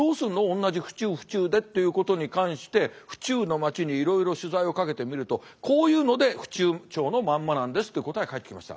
同じ府中府中でということに関して府中の町にいろいろ取材をかけてみるとこういうので府中町のまんまなんですという答えが返ってきました。